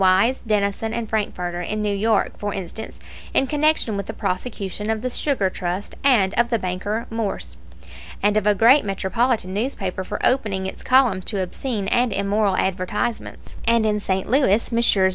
Wise, Denison, and Frankfurter, in New York, for instance, in connection with the prosecution of the Sugar Trust and of the banker Morse, and of a great metropolitan newspaper for opening its columns to obscene and immoral advertisements; and in St. Louis Messrs.